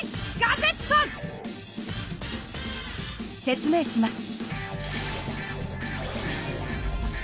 説明します。